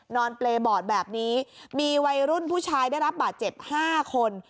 เปรย์บอร์ดแบบนี้มีวัยรุ่นผู้ชายได้รับบาดเจ็บ๕คน